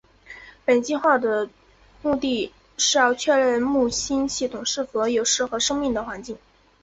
本计画的目的是要确认木星系统是否有适合生命的环境。